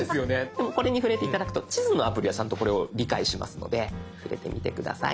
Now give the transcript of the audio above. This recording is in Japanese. でもこれに触れて頂くと地図のアプリはちゃんとこれを理解しますので触れてみて下さい。